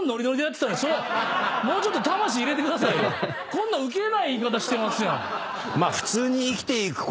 こんなんウケない言い方してますやん。